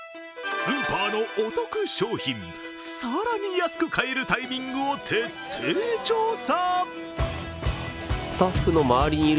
スーパーのお得商品、更に安く買えるタイミングを徹底調査。